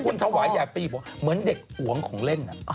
คุณถวายอยากไปหยิบเหมือนเด็กอวงของเล่นน่ะ